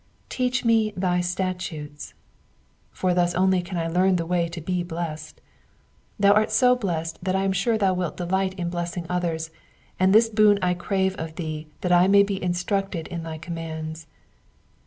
*^ Teach me thy statutes^''; for thus only can I learn the way to be blessed. Thou art so blessed that I am sure thou wilt delight in blessing others, and this boon I crave of thee that I may be instructed in thy commands.